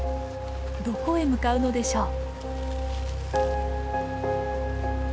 どこへ向かうのでしょう。